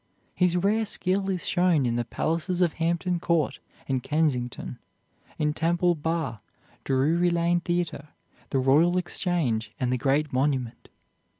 His rare skill is shown in the palaces of Hampton Court and Kensington, in Temple Bar, Drury Lane Theater, the Royal Exchange, and the great Monument.